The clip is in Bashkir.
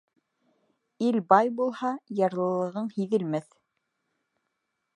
Ил бай булһа, ярлылығың һиҙелмәҫ.